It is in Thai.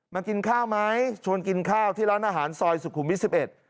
มากินข้าวไหมชวนกินข้าวที่ร้านอาหารซอยสุขุมวิทย์สิบเอ็ด